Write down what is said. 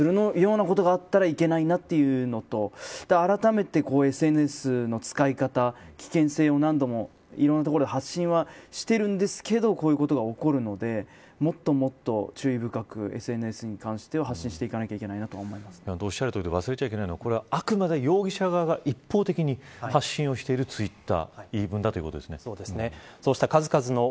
容疑者を擁護するようなことがあったらいけないということと改めて、ＳＮＳの使い方危険性を何度も、いろんなところで発信をしているんですけれどこういうことが起こるのでもっともっと注意深くＳＮＳに関しては発信していかなきゃおっしゃるとおりで忘れちゃいけないのはこれは容疑者側が一方的に発信しているツイッター言い分ということですね。